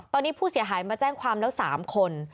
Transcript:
ตอนนี้ผู้เสียหายมาแจ้งความแล้ว๓คน